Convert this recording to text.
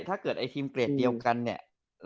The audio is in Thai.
ถ้าเกิดไอ้ทีมเกรดเดียวกันเนี่ย